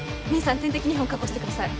点滴２本確保してください